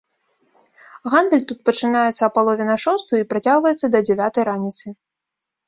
Гандаль тут пачынаецца а палове на шостую і працягваецца да дзявятай раніцы.